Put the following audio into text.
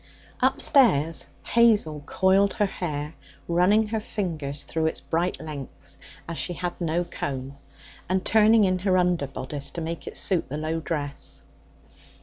Upstairs Hazel coiled her hair, running her fingers through its bright lengths, as she had no comb, and turning in her underbodice to make it suit the low dress.